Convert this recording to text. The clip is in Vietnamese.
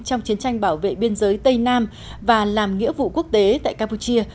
trong chiến tranh bảo vệ biên giới tây nam và làm nghĩa vụ quốc tế tại campuchia